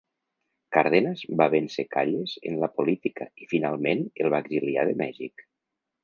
Cárdenas va vèncer Calles en la política, i finalment el va exiliar de Mèxic.